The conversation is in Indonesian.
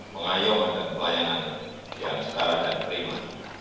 pengayuhan dan pelayanan yang setara dan terima